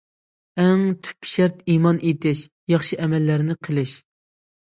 ئەڭ تۈپ شەرت ئىمان ئېيتىش، ياخشى ئەمەللەرنى قىلىش.